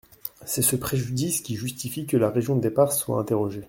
C’est ce préjudice qui justifie que la région de départ soit interrogée.